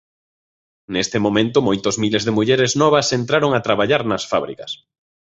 Nese momento moitos miles de mulleres novas entraron a traballar nas fábricas.